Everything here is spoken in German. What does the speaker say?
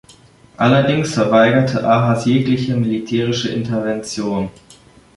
Allerdings verweigerte Ahas jegliche militärische Intervention.